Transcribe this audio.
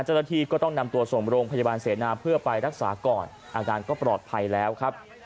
เจ้าหน้าที่ก็ต้องนำตัวส่งโรงพยาบาลเสนาเพื่อไปรักษาก่อนอาการก็ปลอดภัยแล้วครับ